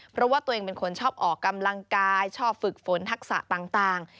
เพราะว่าตัวเองเป็นคนชอบออกกำลังกายชอบฝึกฝนทักษะต่าง